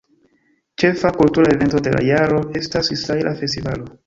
Ĉefa kultura evento de la jaro estas Israela festivalo.